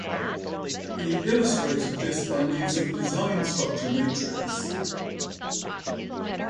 He illustrated this by means of a design structure matrix.